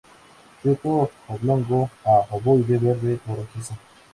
Fruto oblongo a ovoide, verde o rojizo.